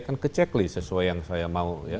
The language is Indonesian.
kan ke checklist sesuai yang saya mau ya